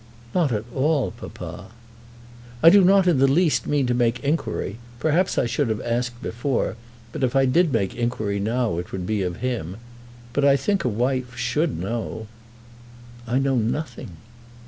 "Not at all, papa." "I do not in the least mean to make inquiry. Perhaps I should have asked before; but if I did make inquiry now it would be of him. But I think a wife should know." "I know nothing."